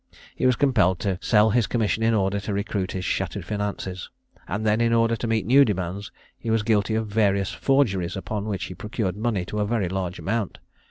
He was compelled to sell his commission in order to recruit his shattered finances; and then, in order to meet new demands, he was guilty of various forgeries, upon which he procured money to a very large amount.